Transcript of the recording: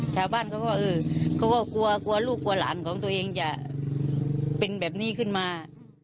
ชาวบ้านเขาก็กลัวลูกกลัวหลานของตัวเองจะเป็นแบบนี้ขึ้นมา